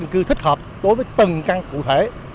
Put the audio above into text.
kết hợp đối với từng căn cụ thể